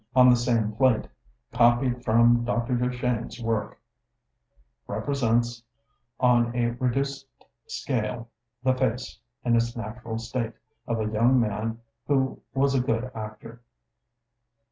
Fig. 1 on the same plate, copied from Dr. Duchenne's work, represents, on a reduced scale, the face, in its natural state, of a young man who was a good actor.